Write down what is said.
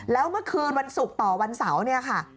แล้วเมื่อคืนวันศุกร์ต่อวันเสาร์เนี่ยค่ะ